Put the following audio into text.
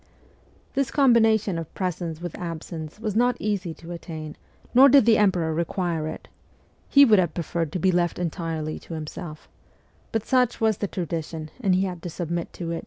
This combination of presence with absence was not easy to attain, nor did the emperor require it : he would have preferred to be left entirely to himself ; but such was the tradition, and he had to submit to it.